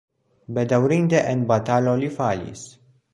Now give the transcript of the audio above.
Bedaŭrinde en batalo li falis.